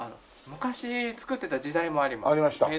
昔作ってた時代もあります。